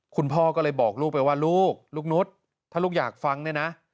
คุณพ่อก็เลยบอกลูกไปว่าลูกลูกนุษย์ถ้าลูกอยากฟังเนี่ยนะ